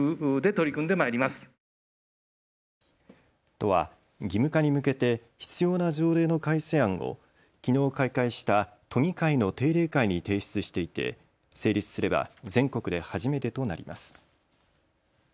都は義務化に向けて必要な条例の改正案をきのう開会した都議会の定例会に提出していて成立すれば全国で初めてとなります。